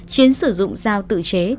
chiến sử dụng dao tự chế